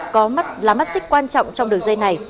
có lá mắt xích quan trọng trong đường dây này